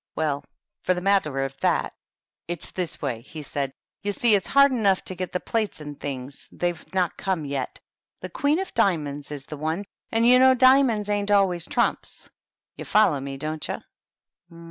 "Well, for the matter of that, it's this way," he said. " You see, it's hard enough to get the plates and things; they've not come yet The Queen of Diamonds is the one; and you know diamonds ain't always trumps. You follow me, don't you?"